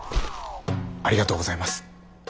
ありがとうございます。